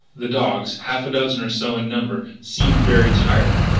The dogs, half a dozen or so in number, seemed very tired.